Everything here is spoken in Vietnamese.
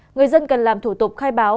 người dân cần làm thủ tục khai báo